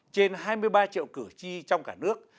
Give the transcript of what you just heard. trên hai mươi ba triệu cử tri trong cả nước